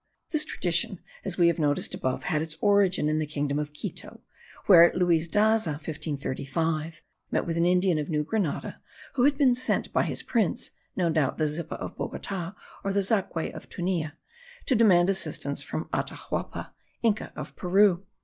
This tradition, as we have noticed above, had its origin in the kingdom of Quito, where Luis Daza (1535) met with an Indian of New Grenada who had been sent by his prince (no doubt the zippa of Bogota, or the zaque of Tunja), to demand assistance from Atahualpa, inca of Peru.